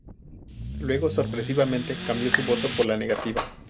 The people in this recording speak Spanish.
Luego sorpresivamente cambió su voto por la negativa.